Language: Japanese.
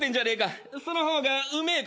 その方がうめえからな。